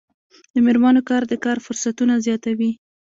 د میرمنو کار د کار فرصتونه زیاتوي.